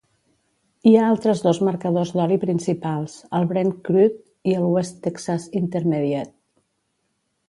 Hi ha altres dos marcadors d'oli principals: el Brent Crude i el West Texas Intermediate.